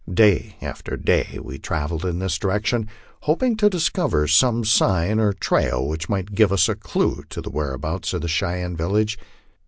Day after day we travelled in this direction, hoping to discover some sign or trail which might give us a clue to the whereabouts of the Cheyenne village.